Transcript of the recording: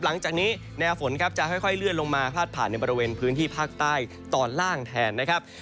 หลังจากนี้แนวฝนครับจะค่อยเลื่อนลงมาพาดผ่านในบริเวณพื้นที่ภาคใต้ตอนล่างแทนนะครับ